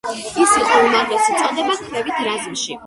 ის იყო უმაღლესი წოდება ქვეით რაზმში.